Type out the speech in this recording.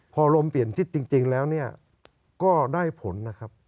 พอลมเปลี่ยนทิศจริงแล้วเนี่ยก็ได้ผลนะครับ